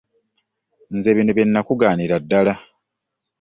Nze bino bye nnakugaanira ddala.